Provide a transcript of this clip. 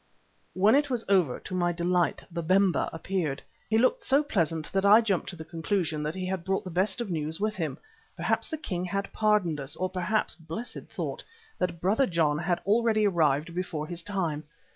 When it was over, to my delight, Babemba appeared. He looked so pleasant that I jumped to the conclusion that he brought the best of news with him. Perhaps that the king had pardoned us, or perhaps blessed thought that Brother John had really arrived before his time.